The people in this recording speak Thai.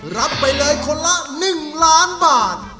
รับไปเลยคนละ๑ล้านบาท